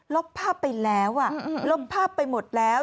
ลบภาพไปแล้วลบภาพไปหมดแล้ว